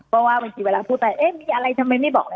เพราะว่าเวลาบอกอะไรมีอะไรเนี่ยทำไมไม่บอก